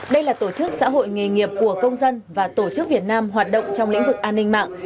đây là tổ chức xã hội nghề nghiệp của công dân và tổ chức việt nam hoạt động trong lĩnh vực an ninh mạng